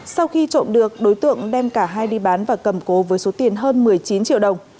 sau khi trộm được đối tượng đem cả hai đi bán và cầm cố với số tiền hơn một mươi chín triệu đồng